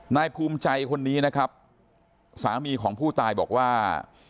นายภูมิใจคนนี้นะครับสามีของผู้ตายบอกว่า